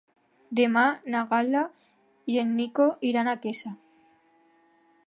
Demà na Gal·la i en Nico iran a Quesa.